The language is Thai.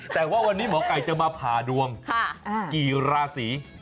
แต่ว่าวันนี้หมอไก่จะมาผ่าดวงกี่ราศี